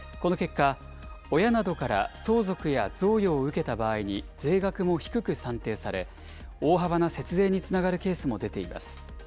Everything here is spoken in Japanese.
この結果、親などから相続や贈与を受けた場合に税額も低く算定され、大幅な節税につながるケースも出ています。